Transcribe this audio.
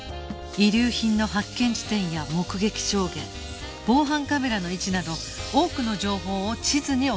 遺留品の発見地点や目撃証言防犯カメラの位置など多くの情報を地図に落とし込む